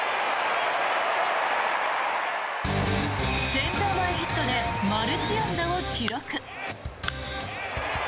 センター前ヒットでマルチ安打を記録。